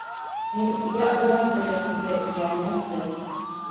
Hem ya Ömer dayatır ve gelmezse?